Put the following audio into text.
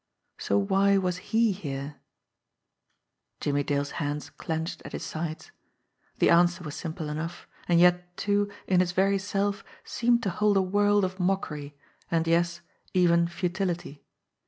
So why was he here? Jimmie Dale's hands clenched at his sides. The answer was simple enough, and yet, too, in its very self seemed to hold a world of mockery and, yes, even futility.